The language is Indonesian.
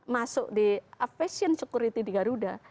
masuk di fashion security di garuda